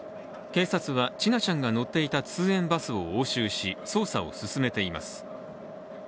警察は千奈ちゃんが乗っていた通園バスを押収し、捜査を進めています。